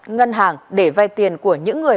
ngân hàng để vai tiền của những người